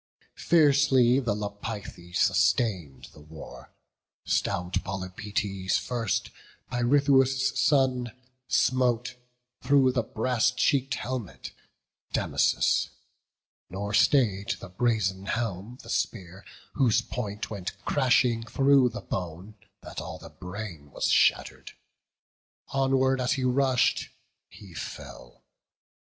Fiercely the Lapithae sustain'd the war: Stout Polypoetes first, Pirithous' son, Smote, through the brass cheek'd helmet, Damasus; Nor stay'd the brazen helm the spear, whose point Went crashing through the bone, that all the brain Was shatter'd; onward as he rush'd, he fell.